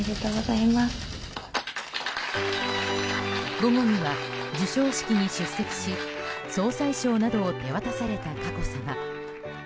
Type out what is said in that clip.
午後には授賞式に出席し総裁賞などを手渡された佳子さま。